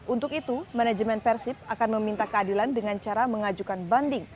untuk itu manajemen persib akan meminta keadilan dengan cara mengajukan banding